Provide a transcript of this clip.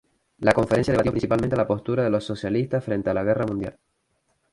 La conferencia debatió principalmente la postura de los socialistas frente a la guerra mundial.